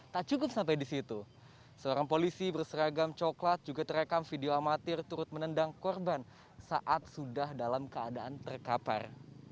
tak cukup sampai di situ seorang polisi berseragam coklat juga terekam video amatir turut menendang korban saat sudah dalam keadaan terkapar